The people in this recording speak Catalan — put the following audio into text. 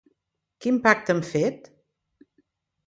Quin pacte han fet?